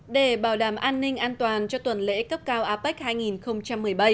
để bảo đảm an ninh an toàn cho tuần lễ cấp cao apec hai nghìn một mươi bảy